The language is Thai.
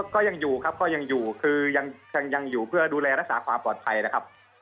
ก็ยังอยู่ครับก็ยังอยู่คือยังอยู่เพื่อดูแลรักษาความปลอดภัยนะครับ